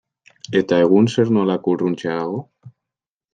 Eta egun zer nolako urruntzea dago?